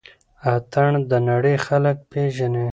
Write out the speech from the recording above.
اتڼ د نړۍ خلک پيژني